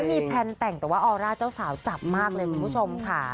มีแพลนแต่งแต่ว่าออร่าเจ้าสาวจับมากเลยคุณผู้ชมค่ะ